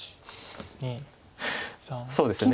そうですね。